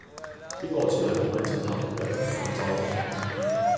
邊個住喺黃泥涌峽陽明山莊